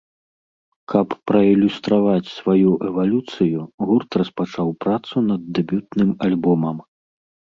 Каб праілюстраваць сваю эвалюцыю, гурт распачаў працу над дэбютным альбомам.